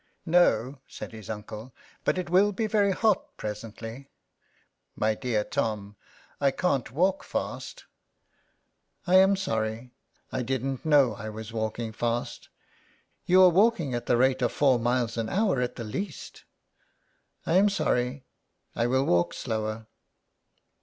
No," said his uncle, "but it will be very hot presently. My dear Tom, I can't walk fast." *■ I am sorry, I didn't know I was walking fast." " You are walking at the rate of four miles an hour at the least." " I am sorry, I will walk slower."